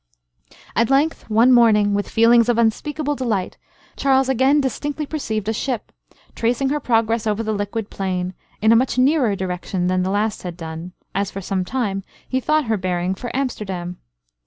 At length, one morning, with feelings of unspeakable delight, Charles again distinctly perceived a ship, tracing her progress over the liquid plain, in a much nearer direction than the last had done, as for some time he thought her bearing for Amsterdam.